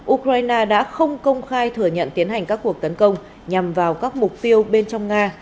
ukraine đã không công khai thừa nhận tiến hành các cuộc tấn công nhằm vào các mục tiêu bên trong nga